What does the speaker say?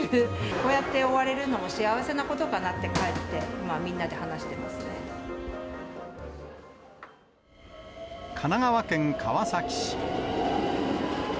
こうやって終われるのも幸せなことなのかなって、かえってみんな神奈川県川崎市。